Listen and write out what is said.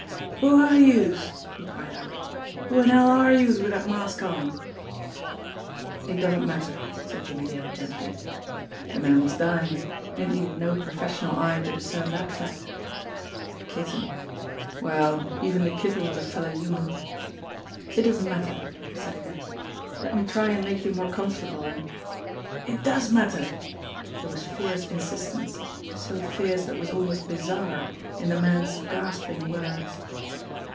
"Who are youse?" he cried out. "Who in 'ell are youse wid dat mask on?" "It doesn't matter," said Jimmie Dale gently. The man was dying; it needed no professional eye to discern that fact. The Kitten! Well, even the Kitten was a fellow human. "It doesn't matter," he said again; "let me try and makt. you more comfortable, and " "It does matter!" There was fierce insistence, so fierce that it was almost bizarre, in the man's gasping words.